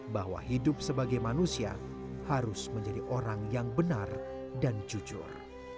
bahwa hidup sebagai manusia harus menjadi orang yang benar dan jujur